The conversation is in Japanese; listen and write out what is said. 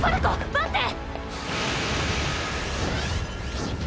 待って！！